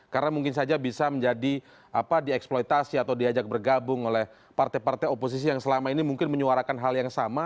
karena mungkin saja bisa menjadi apa dieksploitasi atau diajak bergabung oleh partai partai oposisi yang selama ini mungkin menyuarakan hal yang sama